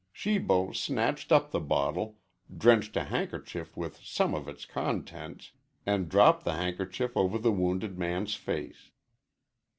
Shibo snatched up the bottle, drenched a handkerchief with some of its contents, and dropped the handkerchief over the wounded man's face.